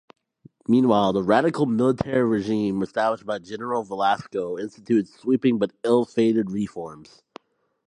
Meanwhile, the radical military regime established by General Velasco instituted sweeping but ill-fated reforms.